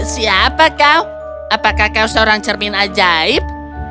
siapa kau apakah kau seorang cermin ajaib